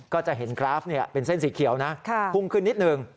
ก็จะเห็นกราฟเป็นเส้นสีเขียวนะพุ่งขึ้นนิดหนึ่ง